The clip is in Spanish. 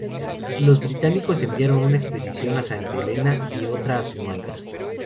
Los británicos enviaron una expedición a Santa Helena y otra a Sumatra.